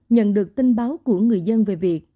nhận được tin báo của người dân về việc